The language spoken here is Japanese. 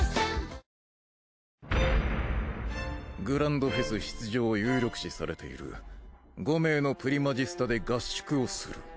グランドフェス出場を有力視されている５名のプリマジスタで合宿をする。